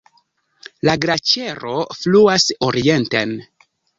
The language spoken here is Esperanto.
La glaĉero fluas orienten.